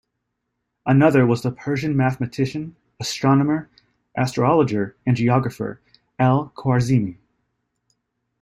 Another was the Persian mathematician, astronomer, astrologer and geographer Al Khwarizmi.